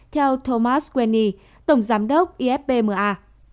theo thomas quenney tổng giám đốc ifpma